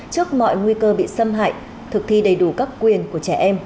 trước mọi nguy cơ bị xâm hại thực thi đầy đủ các quyền của trẻ em